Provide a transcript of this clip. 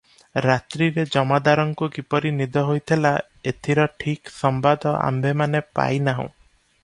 ରାତ୍ରିରେ ଜମାଦାରଙ୍କୁ କିପରି ନିଦ ହୋଇଥିଲା, ଏଥିର ଠିକ ସମ୍ବାଦ ଆମ୍ଭେମାନେ ପାଇ ନାହୁଁ ।